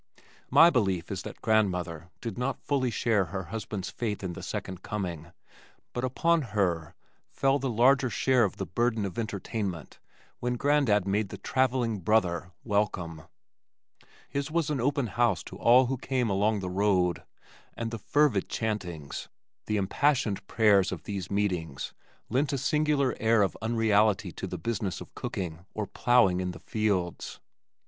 My belief is that Grandmother did not fully share her husband's faith in The Second Coming but upon her fell the larger share of the burden of entertainment when Grandad made "the travelling brother" welcome. His was an open house to all who came along the road, and the fervid chantings, the impassioned prayers of these meetings lent a singular air of unreality to the business of cooking or plowing in the fields.